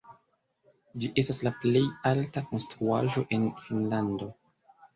Ĝi estas la plej alta konstruaĵo en Finnlando.